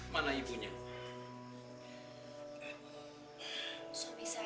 bapak dan ibunya sudah meninggal